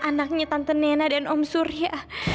anaknya tante nena dan om surya